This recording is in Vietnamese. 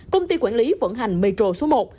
công ty quản lý vận hành metro số một